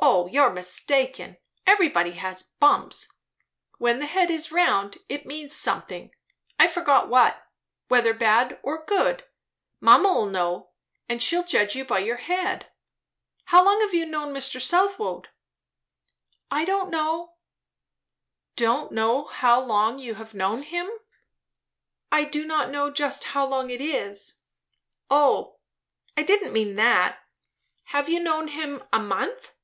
"O you're mistaken; everybody has bumps; when the head is round, it means something, I forget what; whether bad or good. Mamma'll know; and she'll judge you by your head. How long have you known Mr. Southwode?" "I don't know." "Don't know how long you have known him?" "I do not know just how long it is." "O I didn't mean that. Have you known him a month?"